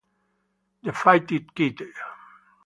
The Fighting Kid